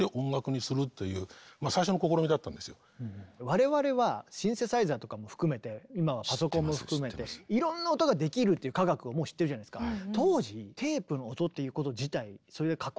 我々はシンセサイザーとかも含めて今はパソコンも含めていろんな音ができるっていう科学をもう知ってるじゃないですか。